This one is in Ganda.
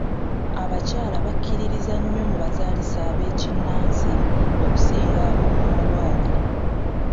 Abakyala bakkiririza nnyo mu bazaalisa ab'ekinnansi okusinga ab'o mu malwaliro.